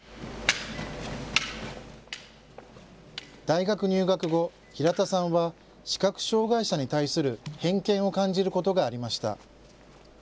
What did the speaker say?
大学入学後、平田さんは視覚障害者に対する偏見を感じることがありました。